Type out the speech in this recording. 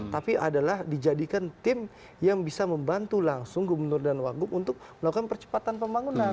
tapi adalah dijadikan tim yang bisa membantu langsung gubernur dan wagub untuk melakukan percepatan pembangunan